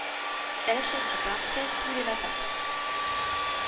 Elle achète du pain frais tous les matins.